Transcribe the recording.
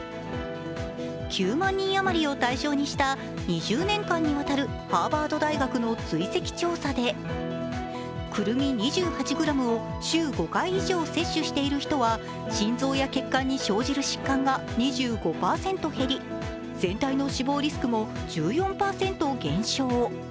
９万人余りを対象にした２０年間にわたるハーバード大学の追跡調査でくるみ２８ｇを週５回以上摂取している人は心臓や血液に生じる疾患が２５％減り、全体の死亡リスクも１４％減少。